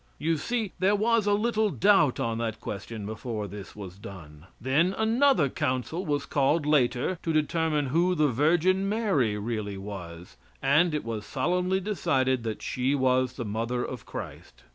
You see, there was a little doubt on that question before this was done. Then another council was called later to determine who the Virgin Mary really was, and it was solemnly decided that she was the mother of Christ.